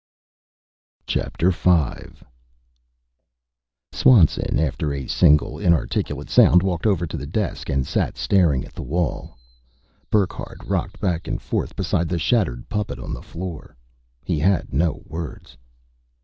V Swanson, after a single inarticulate sound, walked over to the desk and sat staring at the wall. Burckhardt rocked back and forth beside the shattered puppet on the floor. He had no words.